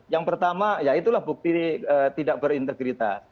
yang pertama ya itulah bukti tidak berintegritas